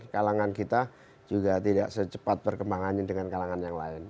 kalangan kita juga tidak secepat perkembangannya dengan kalangan yang lain